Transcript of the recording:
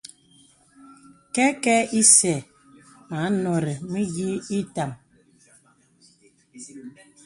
Kɛkɛ̄ isɛ̂ mə anɔ̀rì mə̀yìì ìtām.